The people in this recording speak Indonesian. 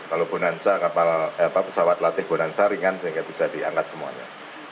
kalau pesawat latih bonansa ringan sehingga bisa diangkat semuanya